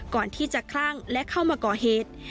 ก่อนที่จะคลั่งและเข้ามาก่อเหตุ